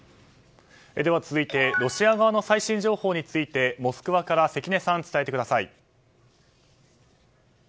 続いてロシア側の最新情報についてモスクワから関根さん、伝えてください。